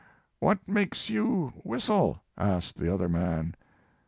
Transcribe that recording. * What makes you whistle?" asked the other man.